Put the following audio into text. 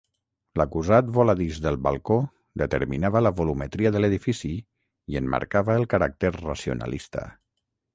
L'acusat voladís del balcó determinava la volumetria de l'edifici i en marcava el caràcter racionalista.